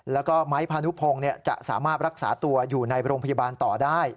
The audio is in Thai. แล้วก็ไม้พานุพงศ์จะสามารถรักษาตัวอยู่ในโรงพยาบาลต่อได้